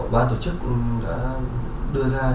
ban tổ chức đã đưa ra